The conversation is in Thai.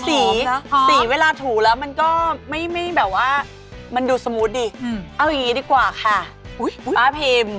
สีสีเวลาถูแล้วมันก็ไม่แบบว่ามันดูสมูทดิเอาอย่างนี้ดีกว่าค่ะคุณป้าพิม